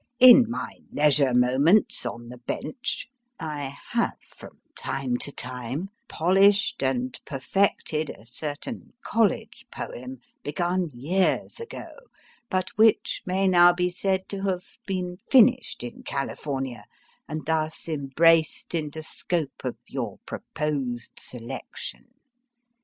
In my leisure moments on the Bench I have, from time to time, polished and perfected a certain college poem begun years ago, but which may now be said to have been finished in California, and thus embraced in the scope of your proposed selection.